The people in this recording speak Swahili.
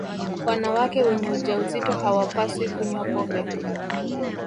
wanawake wenye ujauzito hawapaswi kunywa pombe